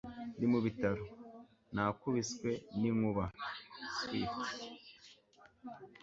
Ndi mu bitaro. Nakubiswe n'inkuba. (Swift)